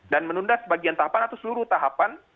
dan menunda sebagian tahapan atau seluruh tahapan